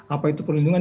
apa itu perlindungan